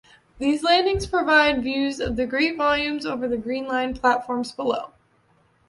These landings provide views of the great volumes over the Green Line platforms below.